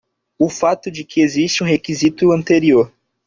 O fato de que existe um requisito anterior.